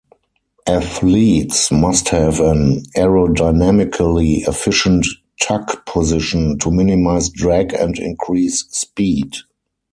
Athletes must have an aerodynamically efficient tuck position to minimize drag and increase speed.